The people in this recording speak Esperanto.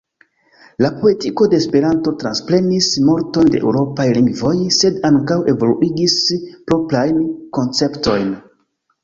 La poetiko de Esperanto transprenis multon de eŭropaj lingvoj, sed ankaŭ evoluigis proprajn konceptojn.